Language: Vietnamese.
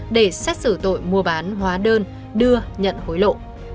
để xét xử tội mua bán hóa đơn đưa nhận hối lộ